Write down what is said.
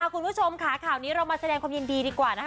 คุณผู้ชมค่ะข่าวนี้เรามาแสดงความยินดีดีกว่านะคะ